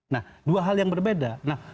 nah dua hal yang berbeda